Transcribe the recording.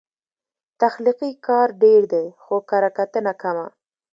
تخلیقي کار ډېر دی، خو کرهکتنه کمه